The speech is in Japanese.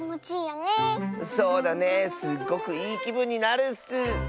すっごくいいきぶんになるッス。